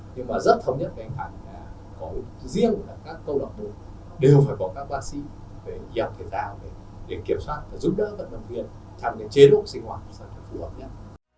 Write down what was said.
nhưng mà rất thống nhất với anh khánh là có riêng là các câu đọc mục đều phải có các bác sĩ phải hiểu thể tạo để kiểm soát và giúp đỡ vận động viên trong cái chế độ sinh hoạt rất là phù hợp nhất